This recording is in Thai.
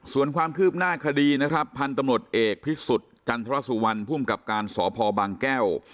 ส่วนความคืบหน้าคดีพันธมนต์เอกพิสุทธิ์จันทรสุวรรณผู้อุ้มกับการสพแบงแก้ว